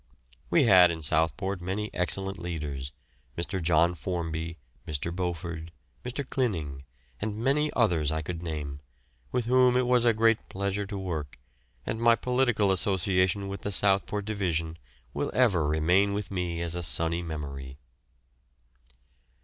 We had in Southport many excellent leaders, Mr. John Formby, Mr. Beauford, Mr. Clinning, and many others I could name, with whom it was a great pleasure to work, and my political association with the Southport Division will ever remain with me as a sunny memory.